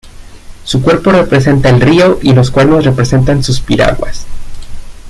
Su cuerpo representa el río y los cuernos representan sus piraguas.